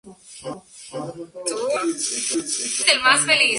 El volcán se encuentra ubicado en el municipio de Tequila.